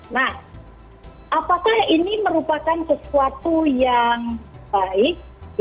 nah apakah ini merupakan sesuatu yang baik